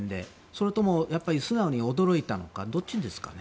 それとも素直に驚いたのかどっちですかね。